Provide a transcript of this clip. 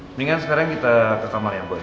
mendingan sekarang kita ke kamar yang buat